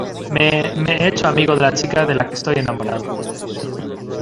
me, me he hecho amigo de la chica de la que estoy enamorado